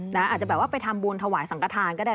นะอาจจะแบบโวะทำบุญถ่วงสังฆฐานก็ได้